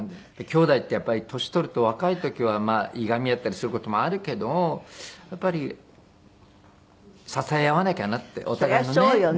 姉弟ってやっぱり年取ると若い時はいがみ合ったりする事もあるけどやっぱり支え合わなきゃなってお互いのね。